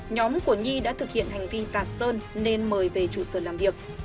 nhóm của nhi đã thực hiện hành vi tạt sơn nên mời về chủ sở làm việc